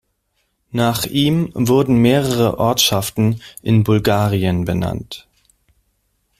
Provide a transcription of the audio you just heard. Nach ihm wurden mehrere Ortschaften in Bulgarien benannt.